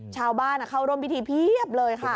ชาวบ้านเข้าร่วมพิธีเพียบเลยค่ะ